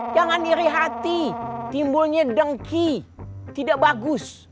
jangan nyeri hati timbulnya dengki tidak bagus